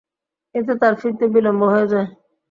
এতে তার ফিরতে বিলম্ব হয়ে যায়।